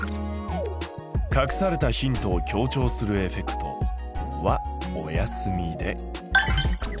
隠されたヒントを強調するエフェクトはお休みで。